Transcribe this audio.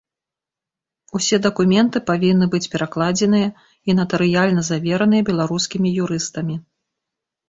Усе дакументы павінны быць перакладзеныя і натарыяльна завераныя беларускімі юрыстамі.